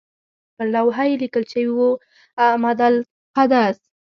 پر لوحه یې لیکل شوي وو اعمده القدس.